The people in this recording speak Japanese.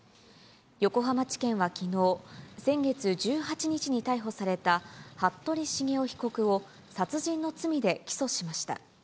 横浜地検はきのう、先月１８日に逮捕された服部繁雄被告を殺人の罪で起訴しました。